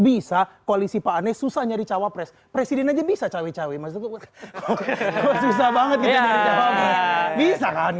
bisa koalisi pak ane susah nyari cawapres presiden aja bisa cawe cawe masuk susah banget bisa kan